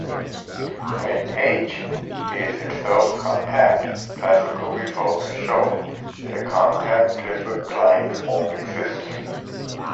When "H" is itself compact, classical results show that a compact Clifford-Klein form exists.